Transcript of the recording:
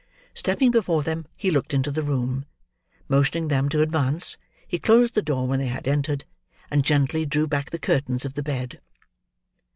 Stepping before them, he looked into the room. Motioning them to advance, he closed the door when they had entered; and gently drew back the curtains of the bed.